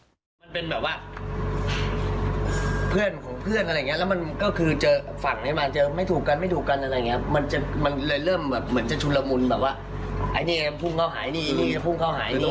มันเป็นแบบว่าเพื่อนของเพื่อนอะไรอย่างเงี้แล้วมันก็คือเจอฝั่งนี้มาเจอไม่ถูกกันไม่ถูกกันอะไรอย่างเงี้ยมันจะมันเลยเริ่มแบบเหมือนจะชุนละมุนแบบว่าไอ้นี่ไงมันพุ่งเข้าหายนี่พุ่งเข้าหายอย่างนี้